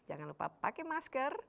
jangan lupa pakai masker